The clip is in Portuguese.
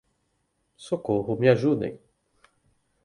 Socorro, me ajudem!